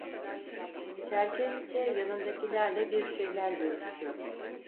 Çerkesçe yanındakilerle bir şeyler görüşüyor.